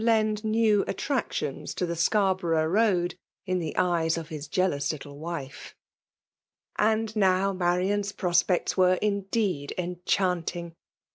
lend new attractions to the Sbarbctougli road, in the eyes of his jealous little wife. And now Marian s prospects were indeed enchanting!